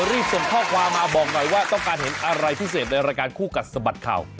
รีบส่งข้อความมาบอกหน่อยว่าต้องการเห็นอะไรพิเศษในรายการคู่กัดสะบัดข่าว